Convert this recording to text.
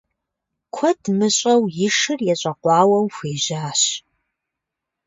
Куэд мыщӏэу и шыр ещӏэкъуауэу хуежьащ.